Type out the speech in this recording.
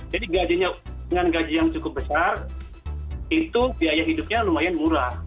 jadi dengan gaji yang cukup besar itu biaya hidupnya lumayan murah